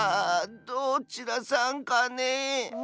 どちらさんかねえ？